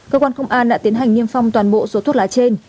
cơ quan công an đã tiến hành niêm phong toàn bộ số thuốc lá trên